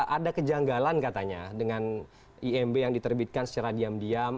ada kejanggalan katanya dengan imb yang diterbitkan secara diam diam